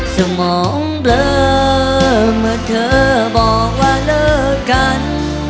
สมองเบลอเมื่อเธอบอกว่าเลิกกัน